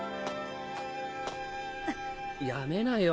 やめなよ